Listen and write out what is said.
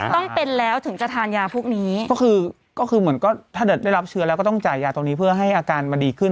ต้องเป็นแล้วถึงจะทานยาพวกนี้ก็คือก็คือเหมือนก็ถ้าเกิดได้รับเชื้อแล้วก็ต้องจ่ายยาตรงนี้เพื่อให้อาการมาดีขึ้น